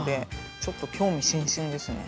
ちょっと興味津々ですね。